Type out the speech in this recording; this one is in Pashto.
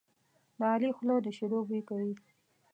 د علي خوله د شیدو بوی کوي.